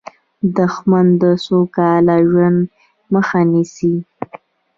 دښمن د سوکاله ژوند مخه نیسي